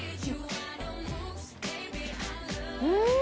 うん！